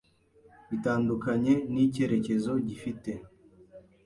bitandukanye n’icyerekezo gifite,